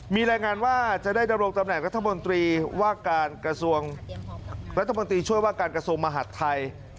มีรายงานว่าจะได้ดำรงค์ตำแหน่งรัฐมนตรีว่าการกระทรวงมหัฒน์ไทย